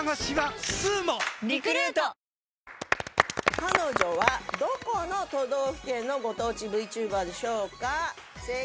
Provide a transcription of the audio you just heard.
彼女は、どこの都道府県のご当地ＶＴｕｂｅｒでしょうか。